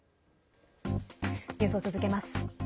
ニュースを続けます。